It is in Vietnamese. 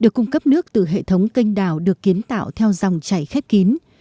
được cung cấp nước từ hệ thống kênh đào được kiến tạo theo dòng chảy khét kín